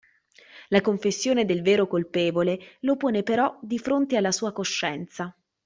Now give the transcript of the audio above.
La confessione del vero colpevole lo pone però di fronte alla sua coscienza.